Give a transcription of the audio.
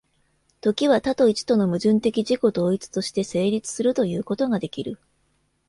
時は多と一との矛盾的自己同一として成立するということができる。